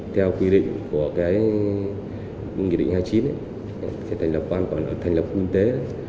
theo quy định của cái nghị định hai mươi chín thành lập ban quản lý thành lập khu kinh tế